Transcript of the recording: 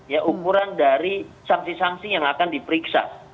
ya ukuran dari sanksi sanksi yang akan diperiksa